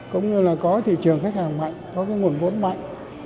cũng như là có thị trường khách hàng mạnh có cái nguồn vốn mạnh